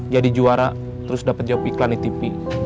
jadi juara terus dapet jawab iklan itp